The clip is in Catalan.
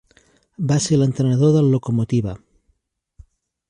Va ser l'entrenador del Lokomotiva.